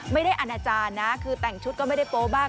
ไม่ได้อาณาจารย์นะคือแต่งชุดก็ไม่ได้โป้บ้าง